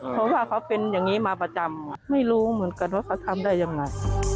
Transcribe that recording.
เพราะว่าเขาเป็นอย่างนี้มาประจำไม่รู้เหมือนกันว่าเขาทำได้ยังไง